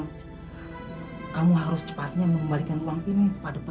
kamu harus cepatnya mengembalikan uang ini pada prw